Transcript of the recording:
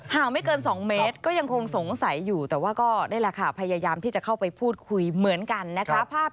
ไม่เกิน๒เมตรก็ยังคงสงสัยอยู่แต่ว่าก็นี่แหละค่ะพยายามที่จะเข้าไปพูดคุยเหมือนกันนะคะ